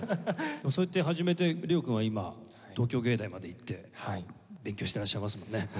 そうやって始めてＬＥＯ君は今東京藝大まで行って勉強していらっしゃいますもんね。